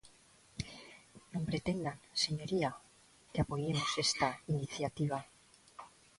Non pretendan, señoría, que apoiemos esta iniciativa.